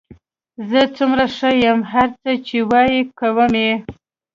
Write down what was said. زه څومره ښه یم، هر څه چې وایې کوم یې.